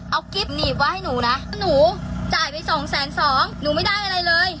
เอากิ๊บหนีบไว้ให้หนูนะหนูจ่ายไปสองแสนสองหนูไม่ได้อะไรเลย